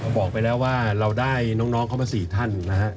บอกไปแล้วว่าเราได้น้องเข้ามา๔ท่านนะฮะ